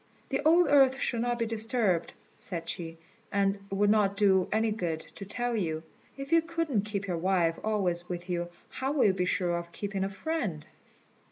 "The old earth should not be disturbed," said she, "and it would not do any good to tell you. If you couldn't keep your wife always with you, how will you be sure of keeping a friend?"